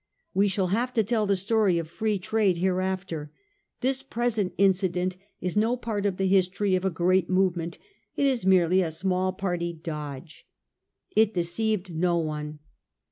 "We shall have to tell the story of Free Trade hereafter ; this present incident is no part of the history of a great movement ; it is merely a small party dodge. It de ceived no one.